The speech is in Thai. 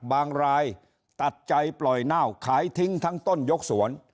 บางรายตัดใจปล่อยเน่าขายทิ้งทั้งต้นยกสวน